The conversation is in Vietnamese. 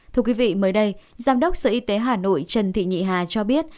thưa quý vị mới đây giám đốc sở y tế hà nội trần thị nhị hà cho biết